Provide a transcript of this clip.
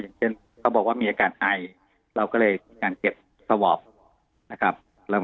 อย่างเช่นเขาบอกว่ามีอาการไอเราก็เลยมีการเก็บสวอปนะครับ